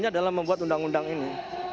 dalam membuat undang undang ini